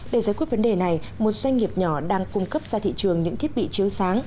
để giải quyết vấn đề này một doanh nghiệp nhỏ đang cung cấp ra thị trường những thiết bị chiếu sáng